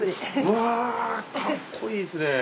うわかっこいいですね。